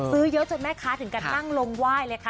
ซื้อเยอะจนแม่ค้าถึงกันนั่งลงไหว้เลยค่ะ